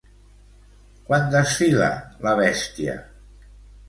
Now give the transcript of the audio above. Quan desfila la bèstia?